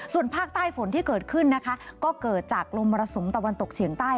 ส่วนภาคใต้ฝนที่เกิดขึ้นนะคะก็เกิดจากลมมรสุมตะวันตกเฉียงใต้